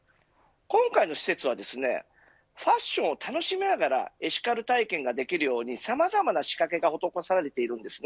今回の施設はですねファッションを楽しみながらエシカル体験ができるようにさまざまな仕掛けが施されているんです。